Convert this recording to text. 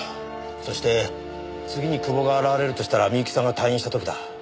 そして次に久保が現れるとしたら深雪さんが退院した時だ。